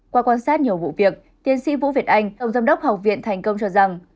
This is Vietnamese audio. qua quan sát nhiều vụ việc tiến sĩ vũ việt anh ông giám đốc học viện thành công cho rằng